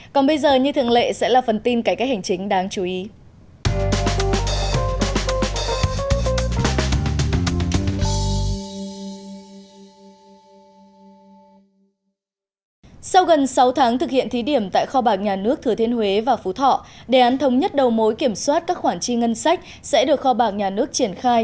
còn bây giờ như thường lệ sẽ là phần tin cải cách hành chính đáng chú ý